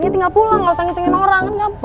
ya tinggal pulang gak usah nyeselin orang